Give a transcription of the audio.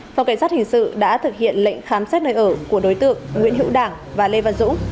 phòng cảnh sát hình sự đã thực hiện lệnh khám xét nơi ở của đối tượng nguyễn hữu đảng và lê văn dũng